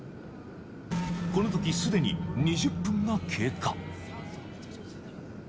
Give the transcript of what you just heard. このときすでに２０分が経過。